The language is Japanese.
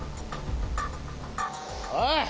おい！